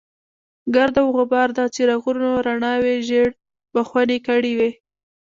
ګرد او غبار د څراغونو رڼاوې ژېړ بخونې کړې وې.